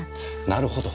なるほど。